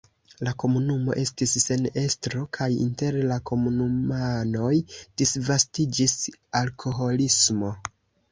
La komunumo estis sen estro kaj inter la komunumanoj disvastiĝis alkoholismo.